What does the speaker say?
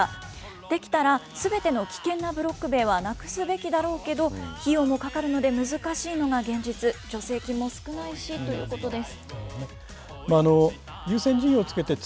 できたらすべての危険なブロック塀はなくすべきだろうけど、費用もかかるので難しいのが現実、助成金も少ないしということです。